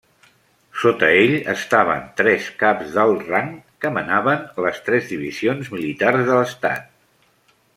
Sota ell estaven tres caps d'alt rang, que manaven les tres divisions militars de l'Estat.